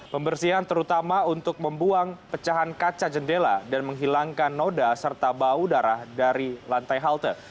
pembersihan terutama untuk membuang pecahan kaca jendela dan menghilangkan noda serta bau darah dari lantai halte